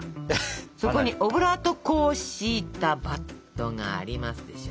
そこにオブラート粉を敷いたバットがありますでしょ。